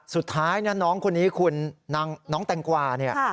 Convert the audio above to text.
สุดท้ายน้องคนนี้คุณน้องแต่งกวา